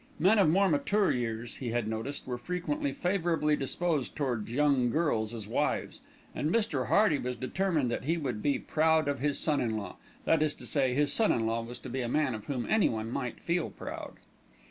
Men of more mature years, he had noticed, were frequently favourably disposed towards young girls as wives, and Mr. Hearty was determined that he would be proud of his son in law, that is to say, his son in law was to be a man of whom anyone might feel proud.